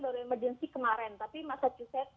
baru emergency kemarin tapi massachusetts